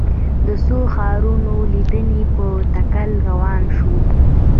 د څو ښارونو لیدنې په تکل روان شوو.